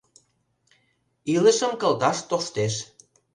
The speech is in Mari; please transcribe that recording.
Илышым кылдаш тоштеш.